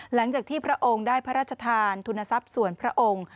หลังจากที่พระองค์ได้พระราชทานทุนทรัพย์ส่วนพระองค์